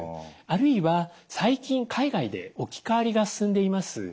あるいは最近海外で置き換わりが進んでいます